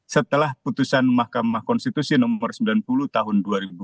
setelah putusan mahkamah konstitusi nomor sembilan puluh tahun dua ribu dua puluh